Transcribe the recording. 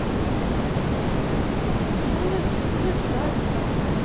そういう空気があるから。